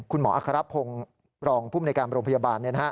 คุณหมออัครับพรองภูมิในการบริภาพยาบาล